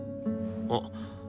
あっ。